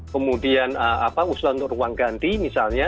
kemudian usulan untuk ruang ganti misalnya